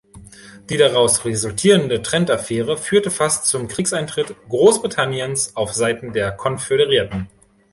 Die daraus resultierende Trent-Affäre führte fast zum Kriegseintritt Großbritanniens auf Seiten der Konföderierten.